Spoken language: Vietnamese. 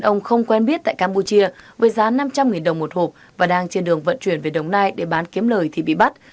ông không quen biết tại campuchia với giá năm trăm linh đồng một hộp và đang trên đường vận chuyển về đồng nai để bán kiếm lời thì bị bắt